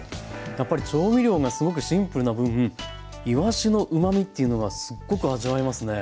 やっぱり調味料がすごくシンプルな分いわしのうまみっていうのがすっごく味わえますね。